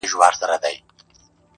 نمونې مي دي په كور كي د دامونو-